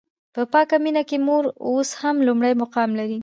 په پاکه مینه کې مور اوس هم لومړی مقام لري.